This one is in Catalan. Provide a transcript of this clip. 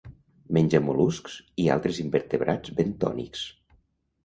Menja mol·luscs i altres invertebrats bentònics.